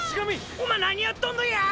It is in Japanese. おま何やっとんのや！！